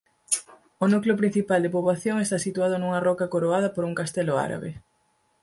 O núcleo principal de poboación está situado nunha roca coroada por un castelo árabe.